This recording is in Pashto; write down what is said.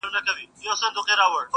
هنر هنر سوم زرګري کومه ښه کومه ,